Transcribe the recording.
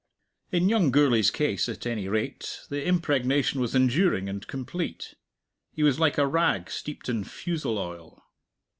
In young Gourlay's case, at any rate, the impregnation was enduring and complete. He was like a rag steeped in fusel oil.